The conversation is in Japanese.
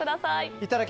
いただき！